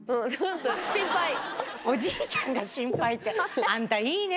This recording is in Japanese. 「おじいちゃんが心配」ってあんたいいね